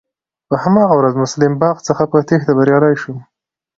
په هماغه ورځ مسلم باغ څخه په تېښته بريالی شوم.